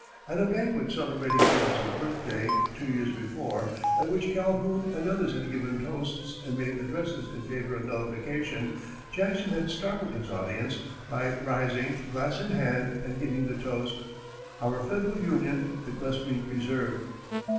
At a banquet celebrating Jefferson's birthday, two years before, at which Calhoun and others had given toasts and made addresses in favor of nullification, Jackson had startled his audience by rising, glass in hand, and giving the toast, "Our Federal Union it must be preserved!"